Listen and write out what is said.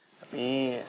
lo mau jadi penyelamat